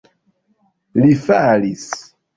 Li falis.